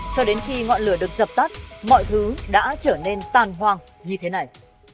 cho đến khi ngọn lửa được dập tắt mọi thứ đã trở nên tàn hoàng như thế này